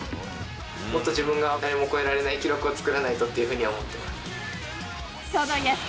もっと自分が、誰も超えられない記録を作らないとっていうふうに思ってます。